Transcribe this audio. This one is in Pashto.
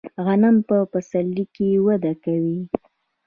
غنم په پسرلي کې وده کوي.